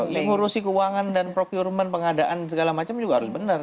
mengurusi keuangan dan procurement pengadaan segala macam juga harus benar